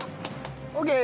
オーケー！